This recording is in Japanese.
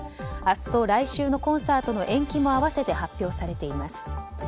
明日と来週のコンサートの延期も合わせて発表されています。